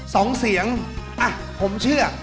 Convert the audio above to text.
สองเสียงอ่ะผมเชื่อ